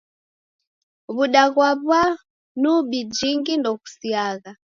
W'uda ghwa w'anubi jingi ndoghusiagha.